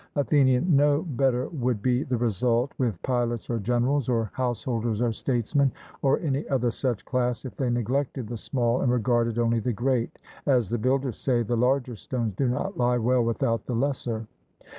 ATHENIAN: No better would be the result with pilots or generals, or householders or statesmen, or any other such class, if they neglected the small and regarded only the great as the builders say, the larger stones do not lie well without the lesser.